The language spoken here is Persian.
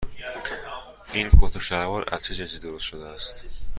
این کت و شلوار از چه جنسی درست شده است؟